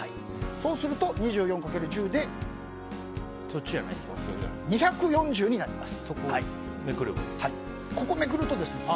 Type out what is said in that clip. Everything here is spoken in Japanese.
そうすると２４×１０で２４０になります。